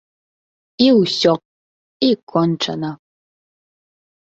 І ўсё, і кончана.